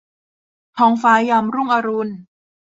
ท้องฟ้ายามรุ่งอรุณ